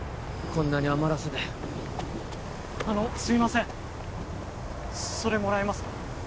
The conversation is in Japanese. こんなに余らせてあのすいませんそれもらえますか？